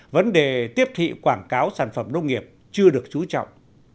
vấn đề tiếp thị quảng cáo sản phẩm nông nghiệp chưa được chú trọng